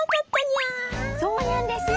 そうにゃんですよ！